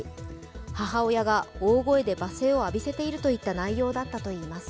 母親が大声で罵声を浴びせているといった内容だったといいます。